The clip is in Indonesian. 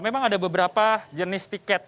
memang ada beberapa jenis tiket